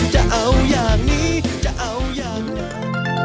จะเอาอย่างนี้จะเอาอย่างนั้น